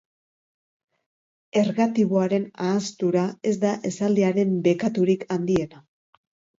Ergatiboaren ahanztura ez da esaldiaren bekaturik handiena.